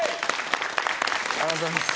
ありがとうございます。